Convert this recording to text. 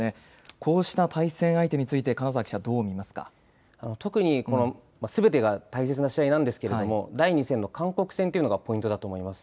こうした対戦相手について、金沢特に、すべてが大切な試合なんですけれども、第２戦の韓国戦というのがポイントだと思います。